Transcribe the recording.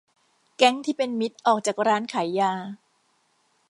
แก๊งที่เป็นมิตรออกจากร้านขายยา